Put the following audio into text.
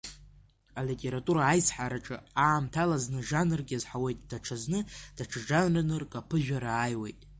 Алитература аизҳараҿы аамҭала зны жанрк иазҳауеит, даҽазны даҽа жанрк аԥыжәара аиуеит.